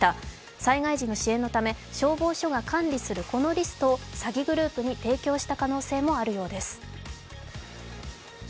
災害時の支援のため消防署が管理するこのリストを詐欺グループに提供した可能性もあるようです。